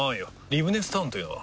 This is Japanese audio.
リブネスタウンというのは？